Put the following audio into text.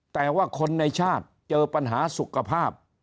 แต่ว่าคนในชาติเจอปัญหาสุขภาพ